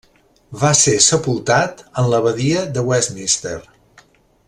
Va ser sepultat en l'Abadia de Westminster.